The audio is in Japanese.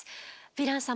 ヴィラン様